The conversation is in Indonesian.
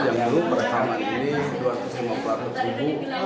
yang dulu perekaman ini dua ratus lima puluh ribu